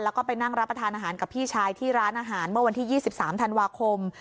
แล้วก็ไปนั่งรับประทานอาหารกับพี่ชายที่ร้านอาหารเมื่อวันที่๒๓ธันวาคม